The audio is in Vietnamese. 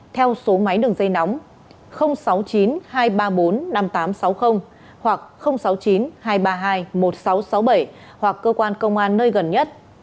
theo số máy đường dây nóng sáu mươi chín hai trăm ba mươi bốn năm nghìn tám trăm sáu mươi hoặc sáu mươi chín hai trăm ba mươi hai một nghìn sáu trăm sáu mươi bảy hoặc cơ quan công an nơi gần nhất